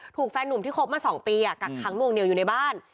แฟนหนุ่มที่คบมา๒ปีกักขังนวงเหนียวอยู่ในบ้าน